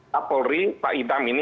kapolri pak itam ini